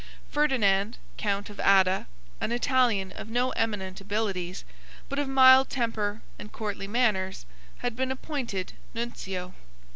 Ferdinand, Count of Adda, an Italian of no eminent abilities, but of mild temper and courtly manners, had been appointed Nuncio.